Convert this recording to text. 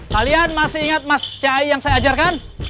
kalian masih ingat mas cai yang saya ajarkan